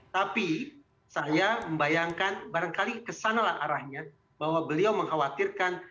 tapi saya membayangkan barangkali kesanalah arahnya bahwa beliau mengkhawatirkan